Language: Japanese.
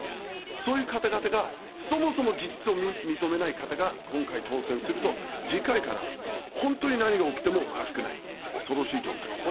そういう方々が、そもそも事実を認めない方が今回、当選すると、次回から本当に何が起きてもおかしくない、恐ろしい状態です。